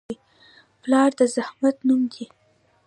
پلار د زحمت نوم دی.